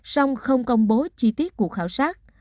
song không công bố chi tiết cuộc khảo sát